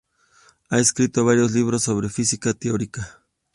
Ha escrito varios libros sobre Física Teórica.